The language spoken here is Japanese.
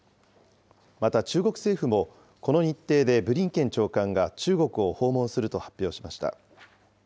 また、中国政府もこの日程でブリンケン長官が中国を訪問すると発表しました。